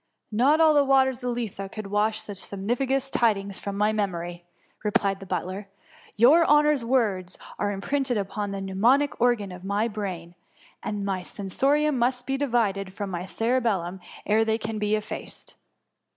'^ Not all the waters of Lethe could wash such somnifugous tidings fi:om my memory," replied the butler. " Your honour's words are imprinted upon the mnemonic organ of my brain ; and my sensorium must be divided from my cerebellum ere they can be effaced."